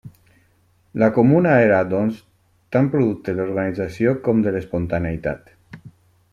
La Comuna era, doncs, tant producte de l'organització com de l'espontaneïtat.